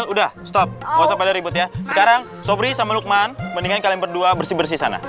udah udah udah udah udah udah stop sekarang sobrisa menunggu mendingan kalian berdua bersih bersih sana